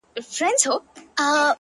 د نازولي یار په یاد کي اوښکي غم نه دی!!